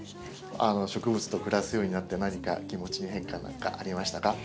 植物と暮らすようになって何か気持ちの変化なんかありましたか？